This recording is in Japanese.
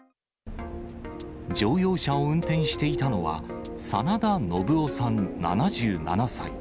乗用車を運転していたのは、真田信雄さん７７歳。